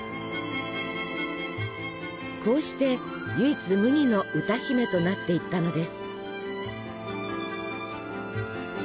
こうして唯一無二の歌姫となっていったのです。